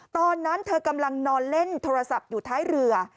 ตอนนั้นเธอกำลังนอนเล่นโทรศัพท์อยู่ท้ายเรือ